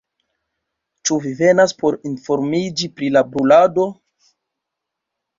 Ĉu vi venas por informiĝi pri la brulado?